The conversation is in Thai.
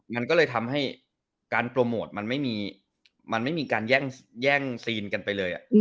มันก็เลยทำให้การโปรโมทมันไม่มีการแย่งซีนกันไปเลย